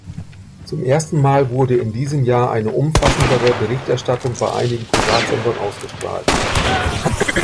Zum ersten Mal wurde in diesem Jahr eine umfassendere Berichterstattung bei einigen Privatsendern ausgestrahlt.